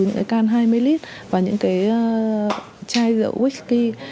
những can hai mươi lít và những chai rượu whisky